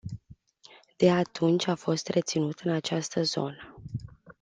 De atunci a fost reținut în această zonă.